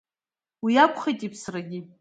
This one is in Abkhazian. Уи акәхеит иԥсрагьы.